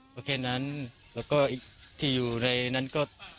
เมื่อกี้นั้นแล้วก็อีกทีอยู่ในนั้นก็